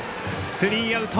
スリーアウト。